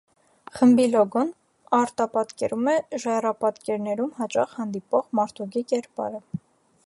Խմբի լոգոն արտապատկերում է ժայռապատկերներում հաճախ հանդիպող մարդուկի կերպարը։